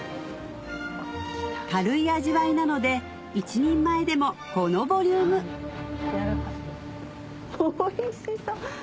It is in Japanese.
軽い味わいなので一人前でもこのボリュームおいしそう。